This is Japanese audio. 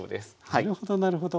なるほどなるほど。